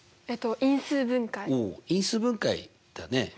お因数分解だね。